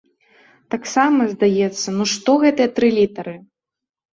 Таксама, здаецца, ну што гэтыя тры літары?